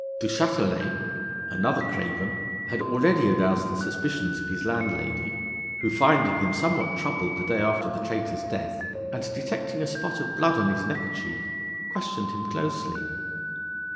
Du Châtelet, another craven, had already aroused the suspicions of his landlady: who, finding him something troubled the day after the traitor's death, and detecting a spot of blood on his neckerchief, questioned him closely.